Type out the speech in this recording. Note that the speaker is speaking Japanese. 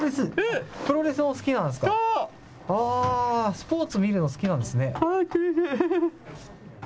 スポーツ見るの好きなんですね。